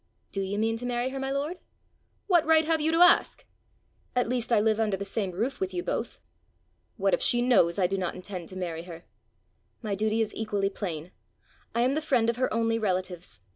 "Do you mean to marry her, my lord?" "What right have you to ask?" "At least I live under the same roof with you both." "What if she knows I do not intend to marry her?" "My duty is equally plain: I am the friend of her only relatives.